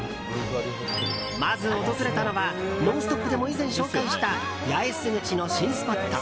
まず、訪れたのは「ノンストップ！」でも以前紹介した八重洲口の新スポット